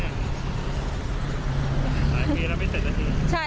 หลายปีแล้วไม่เสร็จสักที